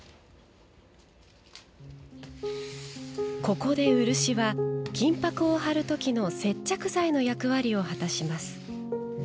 ここで漆は、金ぱくを貼る時の接着剤の役割を果たします。